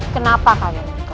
kenapa kalian berdua